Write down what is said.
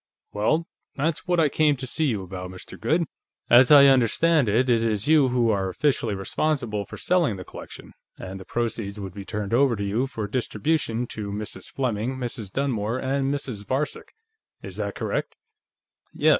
"Well, that's what I came to see you about, Mr. Goode. As I understand it, it is you who are officially responsible for selling the collection, and the proceeds would be turned over to you for distribution to Mrs. Fleming, Mrs. Dunmore and Mrs. Varcek. Is that correct?" "Yes.